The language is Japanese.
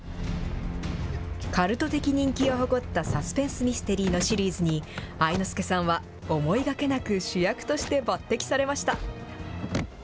カルト的人気を誇ったサスペンスミステリーのシリーズに、愛之助さんは思いがけなく主役として抜てきされました。